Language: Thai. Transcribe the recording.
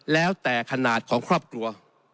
แล้วแต่ขนาดของครอบครัว